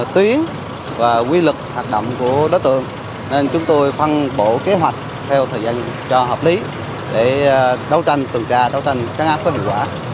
tuyến và quy lực hoạt động của đối tượng nên chúng tôi phân bộ kế hoạch theo thời gian cho hợp lý để đấu tranh tuần tra đấu tranh các áp có hiệu quả